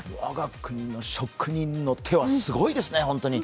我が国の職人の手はすごいですね。